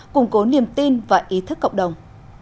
củng cố niềm tin và ý thức cộng đồng